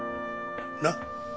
なっ？